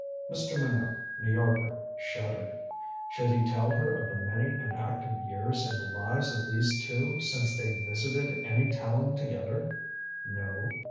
Mr. Minot, New Yorker, shuddered. Should he tell her of the many and active years in the lives of these two since they visited any town together? No.